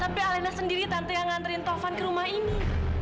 tapi alena sendiri nanti yang nganterin tovan ke rumah ini